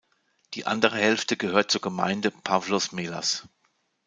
Die andere Hälfte gehört zur Gemeinde Pavlos Melas.